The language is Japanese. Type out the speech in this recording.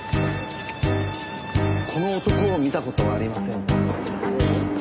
この男を見た事はありませんか？